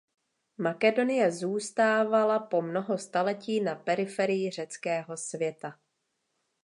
Makedonie zůstávala po mnoho staletí na periferii řeckého světa.